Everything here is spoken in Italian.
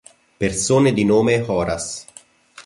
Persone di nome Horace